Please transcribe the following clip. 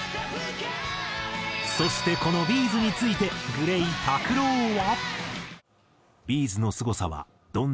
そしてこのＢ’ｚについてＧＬＡＹＴＡＫＵＲＯは。